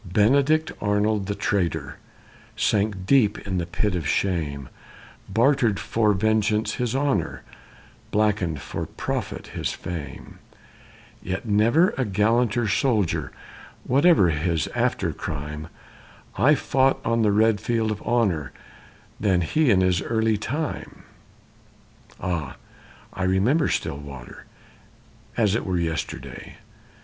Benedict Arnold, the traitor, sank deep in the pit of shame, Bartered for vengeance his honor, blackened for profit his fame; Yet never a gallanter soldier, whatever his after crime, Fought on the red field of honor than he in his early time. Ah, I remember Stillwater, as it were yesterday!